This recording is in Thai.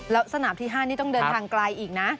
แล้วสนามที่๕นี่ต้องเดินทางไกลอีกนะ